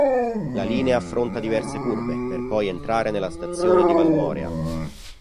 La linea affronta diverse curve per poi entrare nella stazione di Valmorea.